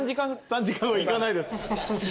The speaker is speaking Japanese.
３時間はいかないです。